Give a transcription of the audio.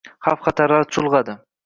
Xavf-xatarlar chulgʻadi